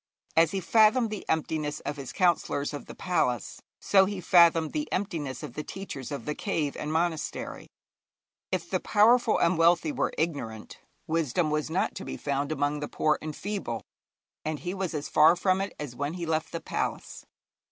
As he fathomed the emptiness of his counsellors of the palace, so he fathomed the emptiness of the teachers of the cave and monastery. If the powerful and wealthy were ignorant, wisdom was not to be found among the poor and feeble, and he was as far from it as when he left the palace.